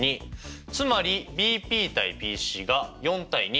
つまりＢＰ：ＰＣが４：２。